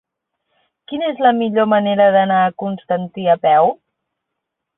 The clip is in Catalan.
Quina és la millor manera d'anar a Constantí a peu?